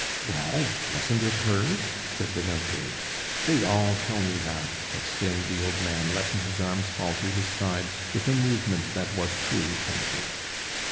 "Well, wasn't it hers?" said the notary. "They all tell me that!" exclaimed the old man, letting his arms fall to his sides with a movement that was truly tragic.